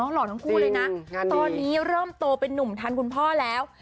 หล่อทั้งคู่เลยนะตอนนี้เริ่มโตเป็นนุ่มทันคุณพ่อแล้ว